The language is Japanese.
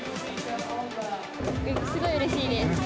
すごいうれしいです。